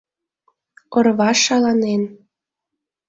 — Орва шаланен...